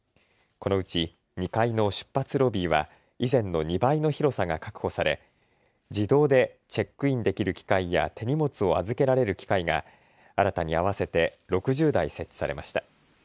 このうち２階の出発ロビーは以前の２倍の広さが確保され自動でチェックインできる機械や手荷物を預けられる機械が新たに合わせて６０台設置されました。